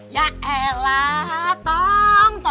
ya elah tante